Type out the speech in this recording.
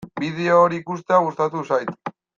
Bideo hori ikustea gustatu zait.